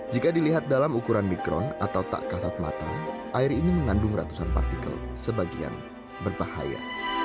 jika dilihat dalam ukuran mikron atau tak kasat mata air ini mengandung ratusan partikel sebagian berbahaya